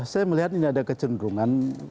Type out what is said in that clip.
saya melihat ini ada kecenderungan